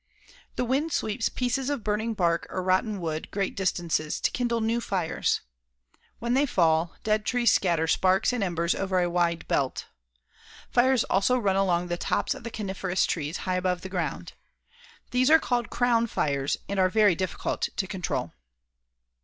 The wind sweeps pieces of burning bark or rotten wood great distances to kindle new fires. When they fall, dead trees scatter sparks and embers over a wide belt. Fires also run along the tops of the coniferous trees high above the ground. These are called "crown fires" and are very difficult to control.